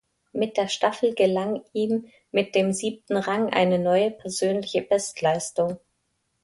Mit der Staffel gelang ihm mit dem siebten Rang eine neue persönliche Bestleistung.